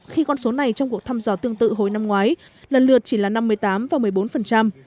khi con số này trong cuộc thăm dò tương tự hồi năm ngoái lần lượt chỉ là năm mươi tám và một mươi bốn